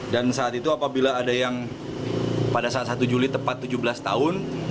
dan saat itu apabila ada yang pada saat satu juli tepat tujuh belas tahun